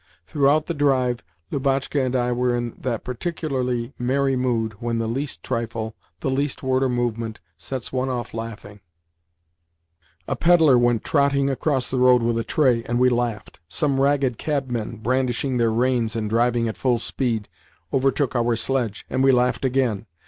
Throughout the drive Lubotshka and I were in that particularly merry mood when the least trifle, the least word or movement, sets one off laughing. Undertaker's men. A pedlar went trotting across the road with a tray, and we laughed. Some ragged cabmen, brandishing their reins and driving at full speed, overtook our sledge, and we laughed again.